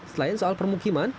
selain soal permukiman